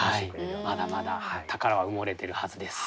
まだまだ宝は埋もれてるはずです。